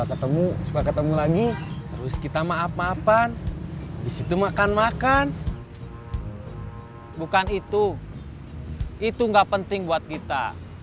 itu gak penting buat kita